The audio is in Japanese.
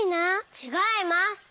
ちがいます。